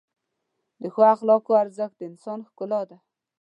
د ښو اخلاقو ارزښت د انسان ښکلا ده.